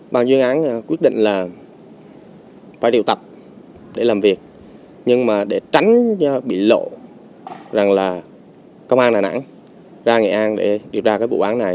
bàn chuyên án quyết định là phải điều tập để làm việc nhưng mà để tránh bị lộ rằng là công an đà nẵng ra nghệ an để điều tra cái vụ án này